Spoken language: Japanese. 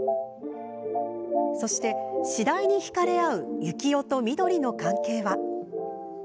そして、次第にひかれ合うユキオと翠の関係は。